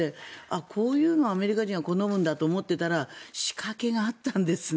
こういうのをアメリカ人は好むんだと思っていたら仕掛けがあったんですね。